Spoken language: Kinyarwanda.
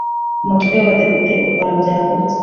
Umutwe w’ Abadepite ukora byagutse.